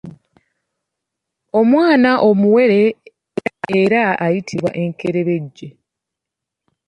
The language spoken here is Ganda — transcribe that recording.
Omwana omuwere era ayitibwa enkerembejje.